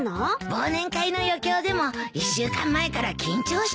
忘年会の余興でも１週間前から緊張してたじゃないか。